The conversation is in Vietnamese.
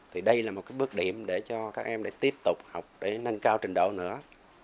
thì đây là một cái bước điểm để cho các em để tiếp tục học để nâng cao trình độ nữa